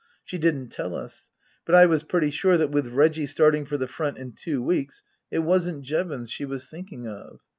She didn't tell us. But I was pretty sure that with Reggie starting for the Front in two weeks it wasn't. Jevons she was thinking of.